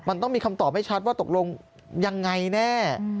มันต้องมีคำตอบให้ชัดว่าตกลงยังไงแน่